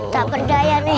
tak berdaya nih